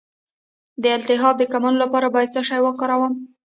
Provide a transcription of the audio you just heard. د التهاب د کمولو لپاره باید څه شی وکاروم؟